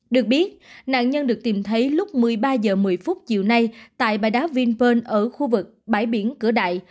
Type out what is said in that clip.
được biết nạn nhân được tìm thấy lúc một mươi ba h một mươi chiều nay tại bãi đá vinpearl ở khu vực bãi biển cửa đại